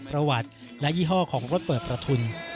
ประวัติและยี่ห้อของรถเปิดประทุน